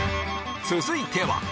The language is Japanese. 続いては？